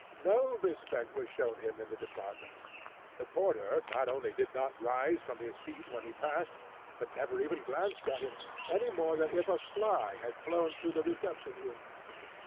No respect was shown him in the department. The porter not only did not rise from his seat when he passed, but never even glanced at him, any more than if a fly had flown through the reception room.